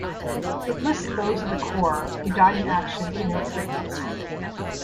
It lists those of the Corps who died in action and in sickness.